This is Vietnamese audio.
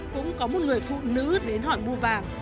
cũng có một người phụ nữ đến hỏi mua vàng